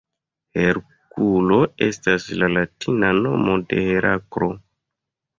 Herkulo estas la latina nomo de Heraklo.